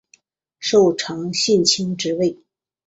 受长信卿之位。